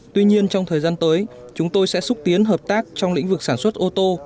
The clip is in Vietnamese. tuy nhiên trong thời gian tới chúng tôi sẽ xúc tiến hợp tác trong lĩnh vực sản xuất ô tô